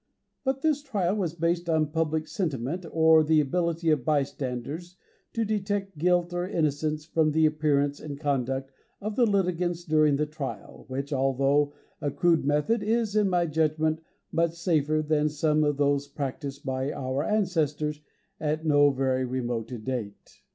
But this trial was based on public sentiment or the ability of bystanders to detect guilt or innocence from the appearance and conduct of the litigants during the trial, which, although a crude method, is, in my judgment, much safer than some of those practised by our ancestors at no very remote date.